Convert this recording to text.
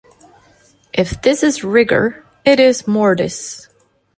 If this is rigor, it is mortis.